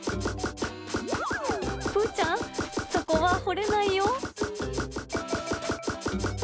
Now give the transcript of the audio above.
ぷーちゃん、そこは掘れないよ。